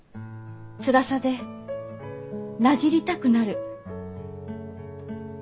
つらさでなじりたくなる。